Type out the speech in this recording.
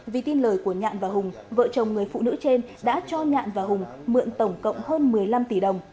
vì tin lời của nhạn và hùng vợ chồng người phụ nữ trên đã cho nhạn và hùng mượn tổng cộng hơn một mươi năm tỷ đồng